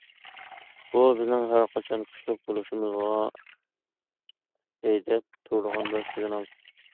بۇ بىزنىڭ ھەر قاچان كۈچلۈك بولۇشىمىزغا ھەيدەپ تۇرىدىغان بىر سىگنال.